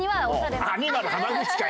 アニマル浜口か！